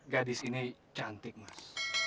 gadis ini cantik mas